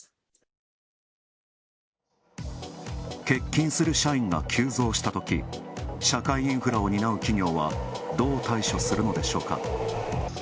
欠勤する社員が急増したとき、社会インフラを担う企業はどう対処するのでしょうか。